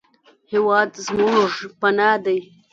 هېواد زموږ پناه دی